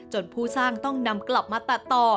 ผู้สร้างต้องนำกลับมาตัดต่อ